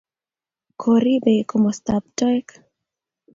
koribei kamostab toek